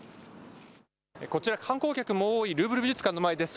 こちら、観光客も多いルーブル美術館の前です。